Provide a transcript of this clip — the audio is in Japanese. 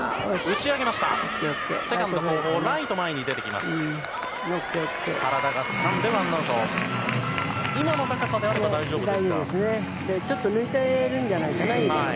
ちょっと抜いてるんじゃないかな。